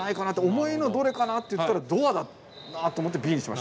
重いのどれかなっていったらドアだなと思って「Ｂ」にしました。